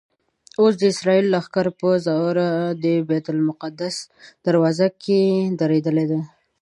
اوس د اسرائیلو لښکرې په زوره د بیت المقدس په دروازو کې درېدلي دي.